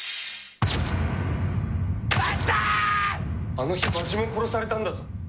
あの日、場地も殺されたんだぞ。